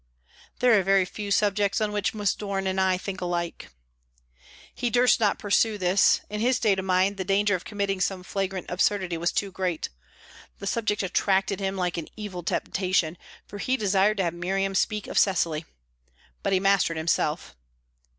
"There are very few subjects on which Miss Doran and I think alike." He durst not pursue this; in his state of mind, the danger of committing some flagrant absurdity was too great. The subject attracted him like an evil temptation, for he desired to have Miriam speak of Cecily. But he mastered himself.